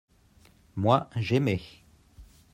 moi, j'aimais.